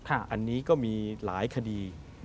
อันนี้ก็มีหลายคดี